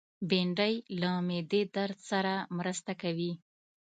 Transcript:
بېنډۍ له معدې درد سره مرسته کوي